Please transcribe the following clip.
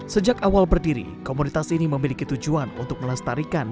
sejak awal berdiri komunitas ini memiliki tujuan untuk melestarikan